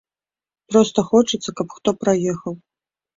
Проста хочацца, каб хто праехаў.